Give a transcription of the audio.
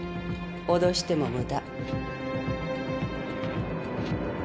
脅しても無駄。